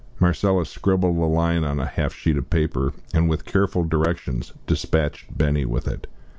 Marcella scribbled a line on a half sheet of paper, and, with careful directions, despatched Benny with it.